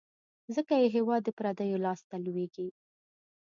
ځکه یې هیواد د پردیو لاس ته لوېږي.